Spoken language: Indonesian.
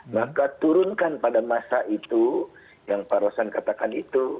maka turunkan pada masa itu yang pak rosan katakan itu